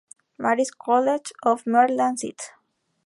Mary's College of Maryland, St.